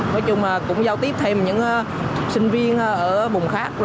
nói chung là cũng giao tiếp thêm những sinh viên ở vùng khác